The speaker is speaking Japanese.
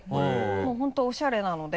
もう本当おしゃれなので。